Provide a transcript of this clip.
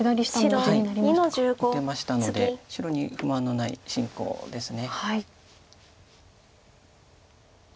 打てましたので白に不満のない進行です。